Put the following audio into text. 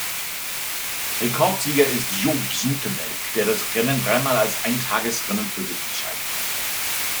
Rekordsieger ist Joop Zoetemelk, der das Rennen dreimal als Eintagesrennen für sich entscheiden konnte.